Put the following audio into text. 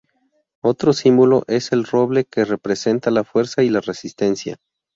Otro símbolo es el roble, que representa la fuerza y la resistencia.